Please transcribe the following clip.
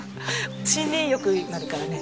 森林浴になるからね。